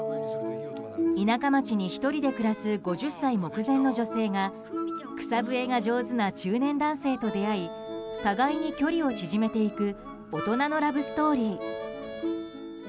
田舎町に１人で暮らす５０歳目前の女性が草笛が上手な中年男性と出会い互いに距離を縮めていく大人のラブストーリー。